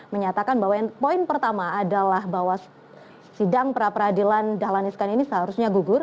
menyatakan bahwa poin pertama adalah bahwa sidang pra peradilan dahlan iskan ini seharusnya gugur